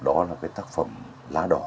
đó là cái tác phẩm lá đỏ